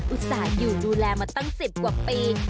อุตส่าห์อยู่ดูแลมาตั้ง๑๐กว่าปี